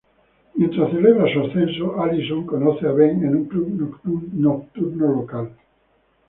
Mientras celebraba su ascenso, Alison conoce a Ben en un club nocturno local.